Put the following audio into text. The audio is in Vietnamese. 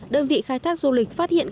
đơn vị khai thác du lịch phát hiện